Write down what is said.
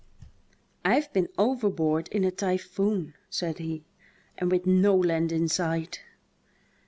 "I've been overboard in a typhoon," said he, "and with no land in sight."